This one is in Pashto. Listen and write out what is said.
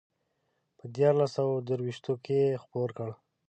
په دیارلس سوه درویشتو کې یې خپور کړ.